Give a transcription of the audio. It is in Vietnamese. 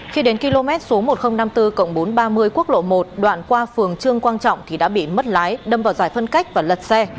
khi đến km số một nghìn năm mươi bốn bốn trăm ba mươi quốc lộ một đoạn qua phường trương quang trọng thì đã bị mất lái đâm vào giải phân cách và lật xe